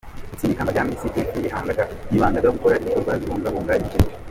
Utsindiye ikamba rya Miss Earth yibanda gukora ibikorwa bibungabunga ibidukikije.